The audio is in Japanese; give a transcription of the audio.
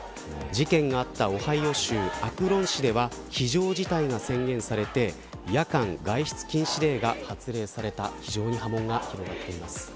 事件があったオハイオ州アクロン市では非常事態が宣言されて夜間外出禁止令が発令された非常に波紋が広がっています。